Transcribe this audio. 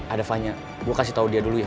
ada fanya gue kasih tau dia dulu ya